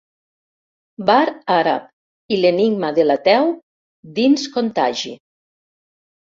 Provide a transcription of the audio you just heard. «Bar àrab» i «L'enigma de l'ateu» dins Contagi.